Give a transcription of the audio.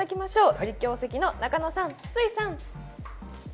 実況席の中野さん、筒井さん。